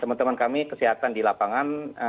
teman teman kami kesehatan di lapangan